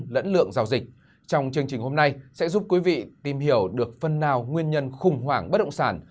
để giúp quý vị tìm hiểu được phần nào nguyên nhân khủng hoảng bất động sản